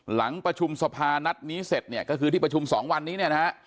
หลังประชุมสภานัดนี้เสร็จเนี่ยก็คือที่ประชุม๒วันนี้เนี่ยนะฮะ